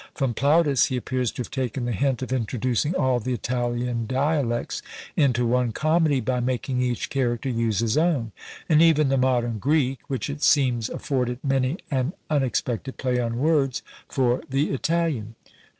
From Plautus he appears to have taken the hint of introducing all the Italian dialects into one comedy, by making each character use his own; and even the modern Greek, which, it seems, afforded many an unexpected play on words, for the Italian.